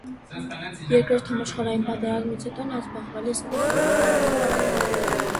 Երկրորդ համաշխարհային պատերազմից հետո նա զբաղվել է սպորտով։